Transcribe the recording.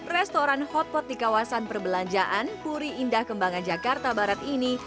restoran hotpot di kawasan perbelanjaan puri indah kembangan jakarta barat ini